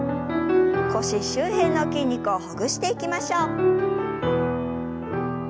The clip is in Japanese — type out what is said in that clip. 腰周辺の筋肉をほぐしていきましょう。